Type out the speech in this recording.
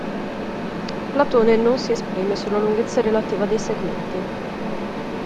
Platone non si esprime sulla lunghezza relativa dei segmenti.